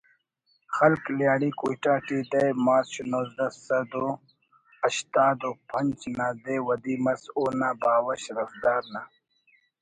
خلق لہڑی کوئٹہ ٹی دہ مارچ نوزدہ سد و ہشتاد و پنچ نا دے ودی مس اونا باوہ شرفدار نا